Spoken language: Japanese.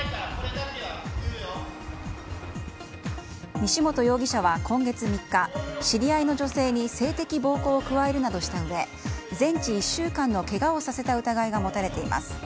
西本容疑者は今月３日、知り合いの女性に性的暴行を加えるなどしたうえ全治１週間のけがをさせた疑いが持たれています。